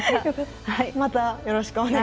またよろしくお願いします。